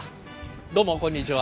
どうもこんにちは。